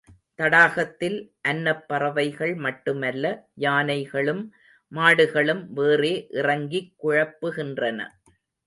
தடாகத்தில் அன்னப்பறவைகள் மட்டுமல்ல, யானைகளும் மாடுகளும் வேறே இறங்கிக் குழப்புகின்றன.